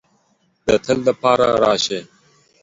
د تل د پاره راشې